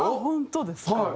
本当ですか？